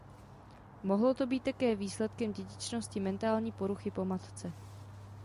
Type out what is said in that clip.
Mohlo to být také výsledkem dědičnosti mentální poruchy po matce.